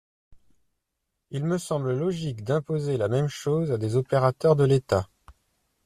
Il me semble logique d’imposer la même chose à des opérateurs de l’État.